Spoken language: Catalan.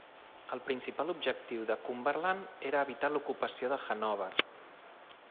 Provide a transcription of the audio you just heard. El principal objectiu de Cumberland era evitar l’ocupació de Hannover.